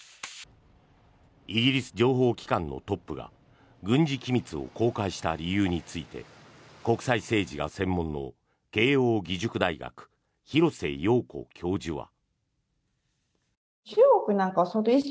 イギリス情報機関のトップが軍事機密を公開した理由について国際政治が専門の慶應義塾大学廣瀬陽子教授は。